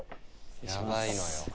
やばいのよ。